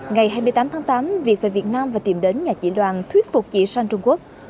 ngày hai mươi tám tháng tám việt về việt nam và tìm đến nhà chị loan thuyết phục chị sang trung quốc